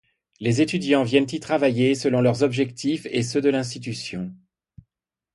Les étudiants viennent y travailler selon leurs objectifs et ceux de l'institution.